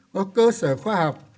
có cơ sở khoa học